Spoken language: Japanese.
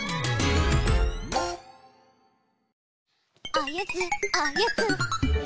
おやつおやつ！